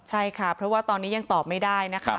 ใช่ค่ะเพราะว่าตอนนี้ยังตอบไม่ได้นะคะ